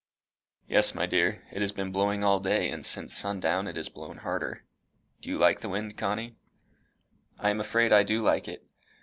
"Yes, my dear. It has been blowing all day, and since sundown it has blown harder. Do you like the wind, Connie?" "I am afraid I do like it.